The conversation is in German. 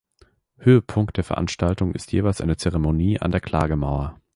Höhepunkt der Veranstaltung ist jeweils eine Zeremonie an der Klagemauer.